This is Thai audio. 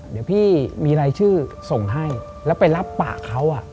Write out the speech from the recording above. เดี๋ยวพี่มีรายชื่อส่งให้แล้วไปรับปากเขา